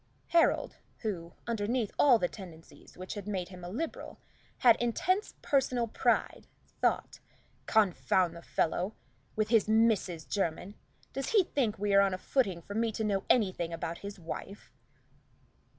Harold, who, underneath all the tendencies which had made him a Liberal, had intense personal pride, thought, "Confound the fellow with his Mrs. Jermyn! Does he think we are on a footing for me to know anything about his wife?"